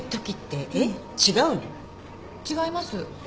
違います。